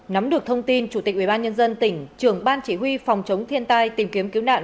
nắm được thông tin chủ tịch ủy ban nhân dân tỉnh trưởng ban chỉ huy phòng chống thiên tai tìm kiếm cứu nạn